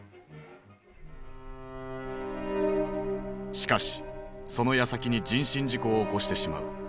しかしそのやさきに人身事故を起こしてしまう。